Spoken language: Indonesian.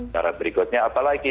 cara berikutnya apa lagi